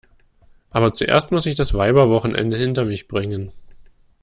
Aber zuerst muss ich das Weiberwochenende hinter mich bringen.